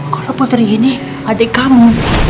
kok putri ini adik kamu